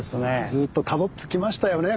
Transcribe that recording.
ずっとたどってきましたよね。